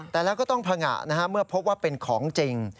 แต่แล้วก็ต้องผงะเมื่อพบว่าเป็นของจริง